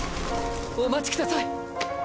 お待ちください！